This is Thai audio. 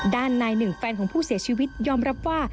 ด้านนายหนึ่งแฟนของผู้เสียชีวิตยอมรับว่า